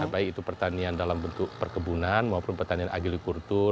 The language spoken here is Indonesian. baik itu pertanian dalam bentuk perkebunan maupun pertanian agrikultur